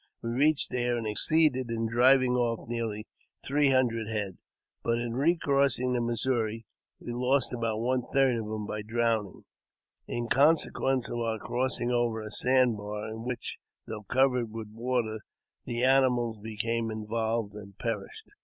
We reached there, and succeeded in driving off nearly three hundred head ; but, in re crossing the Missouri, we lost about one third of them by drowning, in consequence of our crossing over a sand bar, in which, though covered with water, the animals become involved and perished.